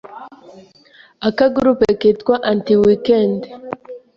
aka groupe kitwa anti weekend